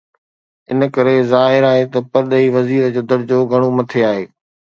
ان ڪري ظاهر آهي ته پرڏيهي وزير جو درجو گهڻو مٿي آهي.